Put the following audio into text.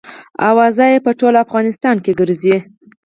اوازه یې په ټول افغانستان کې ګرزي.